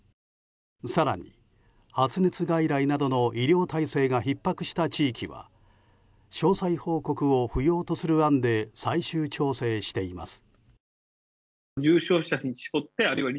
更に発熱外来などの医療体制がひっ迫した地域は詳細報告を不要とする案で最終調整しています。